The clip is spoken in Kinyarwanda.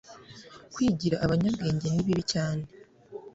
kwigira abanyabwenge nibibi cyane